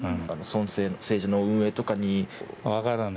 政治の運営とかに分からない。